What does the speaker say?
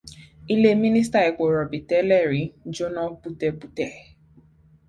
Ilé mínísítà epo rọ̀bì tẹ́lẹ̀ rí jóná bútẹ́bútẹ́.